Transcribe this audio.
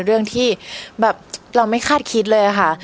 เรื่องที่แบบเราไม่คาดคิดเลยค่ะ